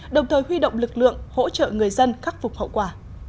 đồng thời huy động lực lượng hỗ trợ người dân khắc phục hậu quả